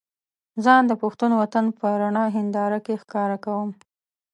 ځان د پښتون وطن په رڼه هينداره کې ښکاره کوم.